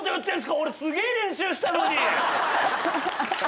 俺、すげぇ練習したのに。